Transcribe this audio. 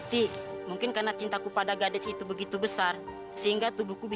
sampai jumpa di video selanjutnya